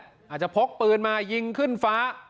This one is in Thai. อาจจะพกปืนมายิงขึ้นฟ้า